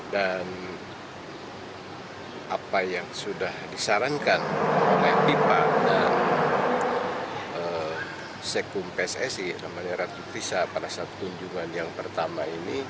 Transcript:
dan apa yang sudah disarankan oleh bipa dan sekum pssi namanya ratu kisah para satu kunjungan yang pertama ini